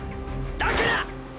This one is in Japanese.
だから！！